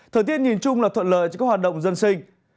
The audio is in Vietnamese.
thời tiết nhìn chung là thuận lợi cho các hoạt động dân sinh